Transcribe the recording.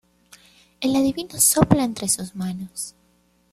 El adivino sopla entre sus manos.